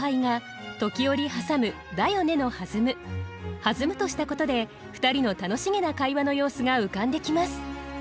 「弾む」としたことで２人の楽しげな会話の様子が浮かんできます。